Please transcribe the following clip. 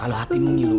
kalau hatimu ngilu